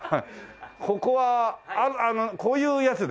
ここはこういうやつね。